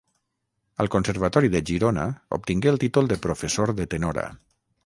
Al Conservatori de Girona obtingué el títol de professor de tenora.